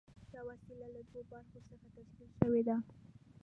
دا وسیله له دوو برخو څخه تشکیل شوې ده.